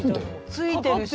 ついてるし。